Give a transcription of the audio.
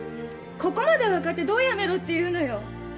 ここまで分かってどうやめろって言うのよ！？